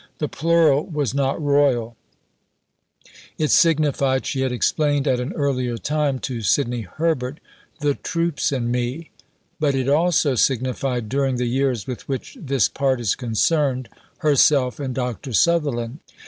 The plural was not royal; it signified she had explained at an earlier time to Sidney Herbert, "the troops and me;" but it also signified, during the years with which this Part is concerned, herself and Dr. Sutherland.